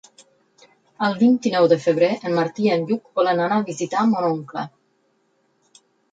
El vint-i-nou de febrer en Martí i en Lluc volen anar a visitar mon oncle.